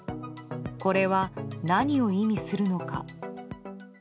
これは、何を意味するのか。